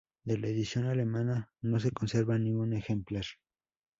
De la edición alemana no se conserva ningún ejemplar.